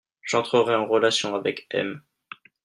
j'entrerai en relation avec M.